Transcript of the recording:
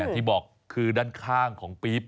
ที่บอกคือด้านข้างของปี๊บ